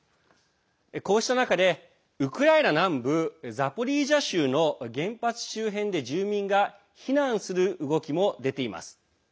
こうした中でウクライナ南部ザポリージャ州の原発周辺で住民が避難する動きも出ています。